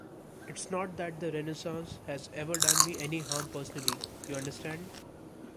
It's not that the Renaissance has ever done me any harm personally, you understand.